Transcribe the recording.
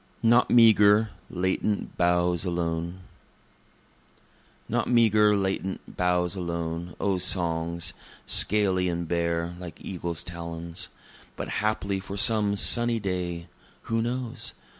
Not Meagre, Latent Boughs Alone Not meagre, latent boughs alone, O songs! (scaly and bare, like eagles' talons,) But haply for some sunny day (who knows?)